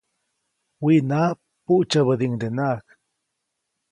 Wiʼnaʼa, puʼtsyäbädiʼuŋdenaʼajk.